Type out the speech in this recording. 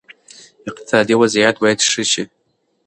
اقتصادي وضعیت باید ښه شي.